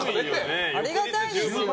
ありがたいですよ。